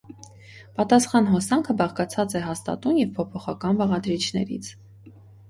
Պատասխան հոսանքը բաղկացած է հաստատաուն և փոփոխական բաղադրիչներից։